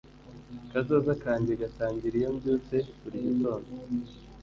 kazoza kanjye gatangira iyo mbyutse buri gitondo